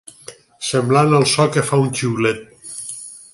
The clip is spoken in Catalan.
Semblant al so que fa un xiulet.